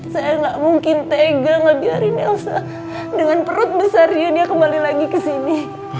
saya gak mungkin tegang ngebiarin elsa dengan perut besar dia kembali lagi kesini